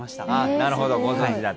なるほどご存じだった。